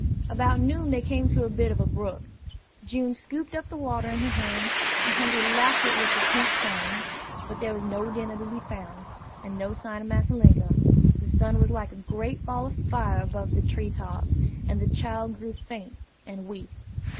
About noon they came to a bit of a brook. June scooped up the water in her hands, and Hungry lapped it with her pink tongue. But there was no dinner to be found, and no sign of Massa Linkum; the sun was like a great ball of fire above the tree tops, and the child grew faint and weak.